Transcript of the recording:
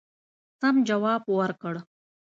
سم جواب ورکړ.